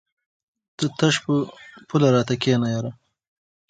ته تش په پوله راته کېنه!